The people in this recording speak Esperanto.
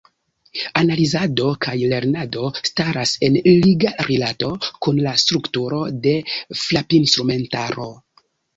Analizado kaj lernado staras en liga rilato kun la strukturo de frapinstrumentaro.